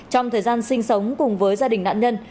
trong thời gian sinh sống cùng với gia đình nạn nhân